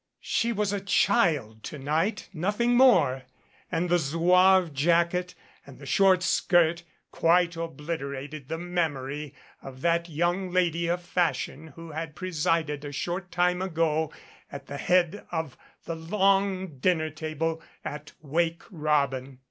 She was a child to night nothing more and the zouave jacket and short skirt quite obliterated the memory of that young lady of fashion who had pre sided a short time ago at the head of the long dinner table at "Wake Robin."